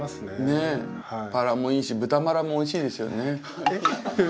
ねっバラもいいし豚バラもおいしいですよね。